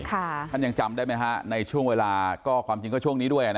ท่านยังจำได้ไหมฮะในช่วงเวลาก็ความจริงก็ช่วงนี้ด้วย